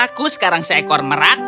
aku sekarang seekor merah